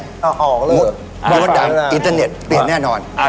เอาออกแล้วมดดำอินเทอร์เน็ตเปลี่ยนแน่นอน